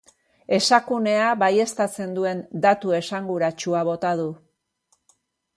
Esakunea baieztatzen duen datu esanguratsua bota du.